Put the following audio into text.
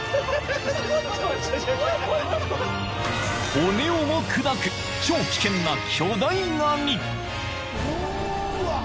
［骨をも砕く超危険な巨大ガニ］